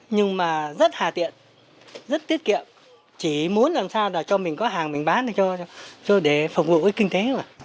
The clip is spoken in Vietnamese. nhưng mà rất hà tiện rất tiết kiệm chỉ muốn làm sao là cho mình có hàng mình bán đi để phục vụ cái kinh tế